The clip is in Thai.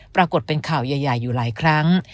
ปรากฏเป็นข่าวใหญ่อยู่หลายครั้ง